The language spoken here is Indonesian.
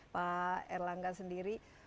pak erlangga sendiri